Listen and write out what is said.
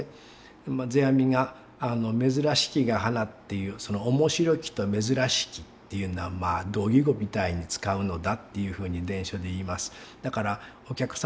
まあ世阿弥が「珍しきが花」っていうその「面白き」と「珍しき」っていうのはまあ同意語みたいに使うのだっていうふうに伝書で言います。